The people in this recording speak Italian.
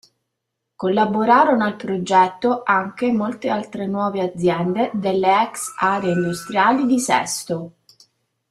Collaborarono al progetto anche molte altre nuove aziende delle ex aree industriali di Sesto.